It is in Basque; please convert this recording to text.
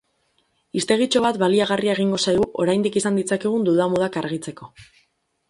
Hiztegitxo bat baliagarria egingo zaigu oraindik izan ditzakegun duda-mudak argitzeko.